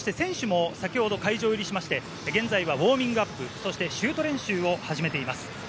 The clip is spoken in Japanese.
選手も先ほど会場入りしまして現在、ウォーミングアップ、シュート練習を始めています。